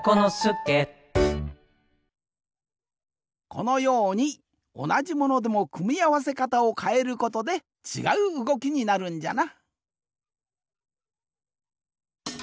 このようにおなじものでもくみあわせかたをかえることでちがううごきになるんじゃな。